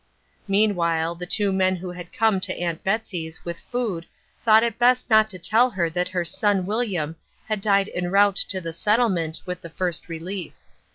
Meanwhile, the two men who had come to Aunt Betsy's with food thought it best not to tell her that her son William had died en route to the settlement with the First Relief.